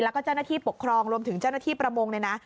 แล้วก็เจ้าหน้าที่ปกครองรวมถึงเจ้าหน้าที่ประมงเนี่ยนะ